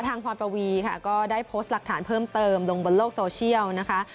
พรปวีค่ะก็ได้โพสต์หลักฐานเพิ่มเติมลงบนโลกโซเชียลนะคะ